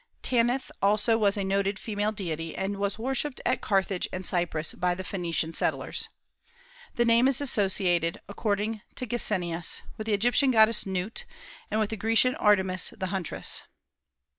Tanith also was a noted female deity, and was worshipped at Carthage and Cyprus by the Phoenician settlers. The name is associated, according to Gesenius, with the Egyptian goddess Nut, and with the Grecian Artemis the huntress.